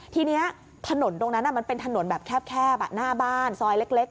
ทีนี้ถนนตรงนั้นมันเป็นถนนแบบแคบหน้าบ้านซอยเล็ก